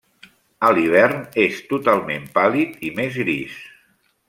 A l'hivern és totalment pàl·lid i més gris.